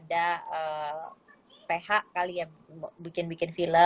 indah itu apa ya kayaknya gituormal gitu jadi gitu agak banyak menjadi mengangkat disitu tapi